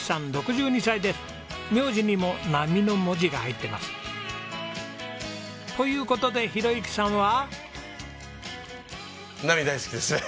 名字にも波の文字が入っています。という事で宏幸さんは。